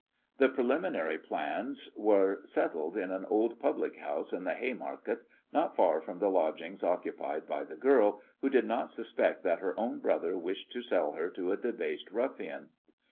The preliminary plans were settled in an old public house in the Haymarket, not far from the lodgings occupied by the girl, who did not suspect that her own brother wished to sell her to a debased ruffian.